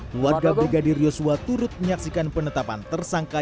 keluarga brigadir yosua turut menyaksikan penetapan tersangka